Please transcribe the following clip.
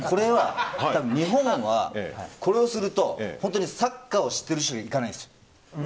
日本は、これをすると本当にサッカーを知ってる人しか行かないんです。